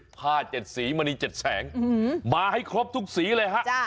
ผ้าเจ็ดสีมะนีเจ็ดแสงอืมมาให้ครบทุกสีเลยฮะจ้ะ